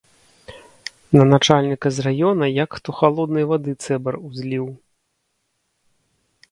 На начальніка з раёна як хто халоднай вады цэбар узліў.